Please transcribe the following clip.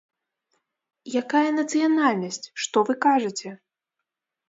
Якая нацыянальнасць, што вы кажаце?!